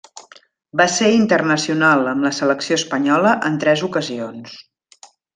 Va ser internacional amb la selecció espanyola en tres ocasions.